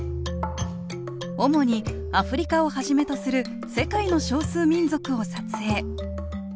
主にアフリカをはじめとする世界の少数民族を撮影。